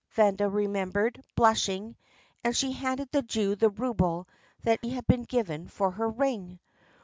Vanda remembered, blushing, and she handed the Jew the rouble that had been given her for her ring.